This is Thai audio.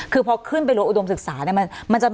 คือพอขึ้นไปรวมอุดมศึกษาเนี่ย